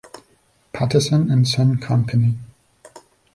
Patterson and Son Company.